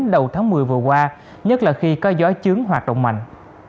đầu tháng một mươi vừa qua nhất là khi có gió chướng hoạt động mạnh